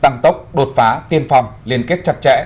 tăng tốc đột phá tiên phòng liên kết chặt chẽ